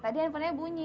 tadi handphonenya bunyi